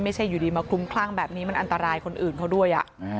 อยู่ดีมาคลุมคลั่งแบบนี้มันอันตรายคนอื่นเขาด้วย